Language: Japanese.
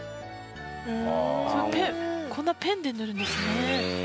こんなペンで塗るんですね。